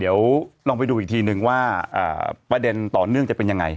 เดี๋ยวลองไปดูอีกทีนึงว่าประเด็นต่อเนื่องจะเป็นยังไง